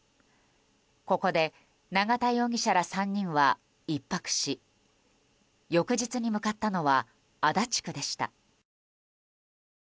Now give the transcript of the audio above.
ここで永田容疑者ら３人は１泊し翌日に向かったのは足立区でした。